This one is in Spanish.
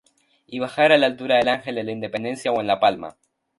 Y bajar a la altura del Ángel de la Independencia o en la Palma.